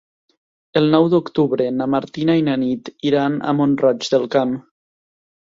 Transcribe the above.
El nou d'octubre na Martina i na Nit iran a Mont-roig del Camp.